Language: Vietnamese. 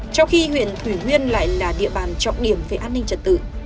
trong khi huyện thủy nguyên lại là địa bàn trọng điểm về an ninh trật tự